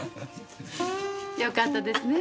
よかったですね